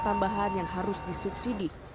tambahan yang harus disubsidi